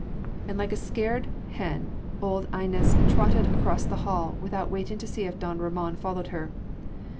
And like a scared hen, old Inez trotted across the hall, without waiting to see if don Ramon followed her.